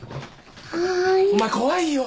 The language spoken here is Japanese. お前怖いよ。